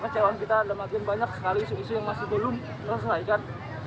kecewaan kita ada makin banyak sekali isu isu yang masih belum terselesaikan